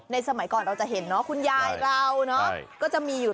สมัยก่อนเราจะเห็นเนาะคุณยายเราเนอะก็จะมีอยู่